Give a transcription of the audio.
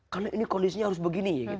karena ini kondisinya harus begini